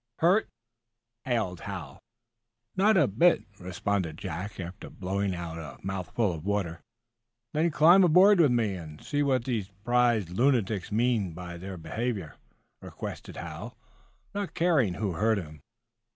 "Hurt?" hailed Hal. "Not a bit," responded Jack, after blowing out a mouthful of water. "Then climb aboard with me, and see what these prize lunatics mean by their behavior," requested Hal, not caring who heard him.